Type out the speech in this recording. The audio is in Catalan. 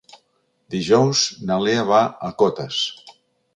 Dijous na Lea va a Cotes.